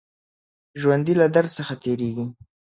ژوندي له درد څخه تېرېږي